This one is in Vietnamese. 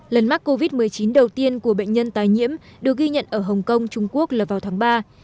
lần mắc covid một mươi chín đầu tiên của bệnh nhân tái nhiễm được ghi nhận ở hồng kông trung quốc là vào tháng ba